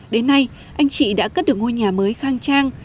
đến nay anh chị đã cất được ngôi nhà mới khang trang